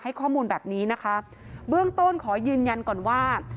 ข้อมูลแบบนี้นะคะเบื้องต้นขอยืนยันก่อนว่า